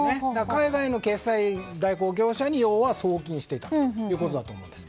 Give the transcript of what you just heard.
海外の決済代行業者に送金していたということだと思うんです。